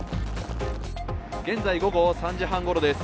現在午後３時半ごろです。